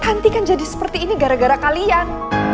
tanti kan jadi seperti ini gara gara kalian